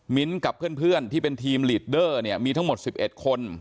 กับเพื่อนที่เป็นทีมลีดเดอร์เนี่ยมีทั้งหมด๑๑คน